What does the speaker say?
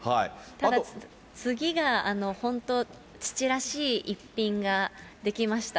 次が、本当、父らしい一品が出来ました。